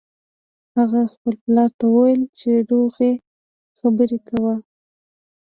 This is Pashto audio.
هغه خپل پلار ته وویل چې روغې خبرې کوه